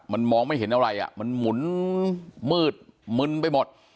มันมองไม่เห็นอะไรอ่ะมันหมุนมืดมึนไปหมด